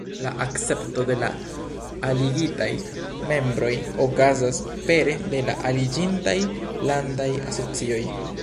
La akcepto de la aligitaj membroj okazas pere de la aliĝintaj landaj asocioj.